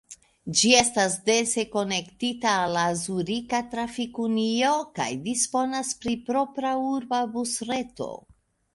Ĝi estas dense konektita al la Zurika Trafik-Unio kaj disponas pri propra urba busreto.